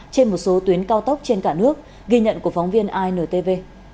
trên một số tuyến cao tốc trên cả nước ghi nhận của phóng viên intv